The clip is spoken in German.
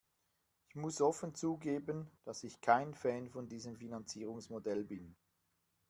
Ich muss offen zugeben, dass ich kein Fan von diesem Finanzierungsmodell bin.